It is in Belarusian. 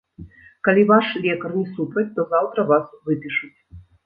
Калі ваш лекар не супраць, то заўтра вас выпішуць.